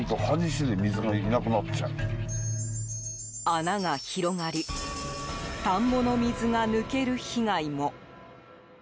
穴が広がり田んぼの水が抜ける被害も。